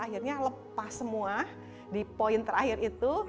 akhirnya lepas semua di poin terakhir itu